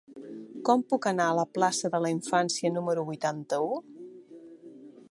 Com puc anar a la plaça de la Infància número vuitanta-u?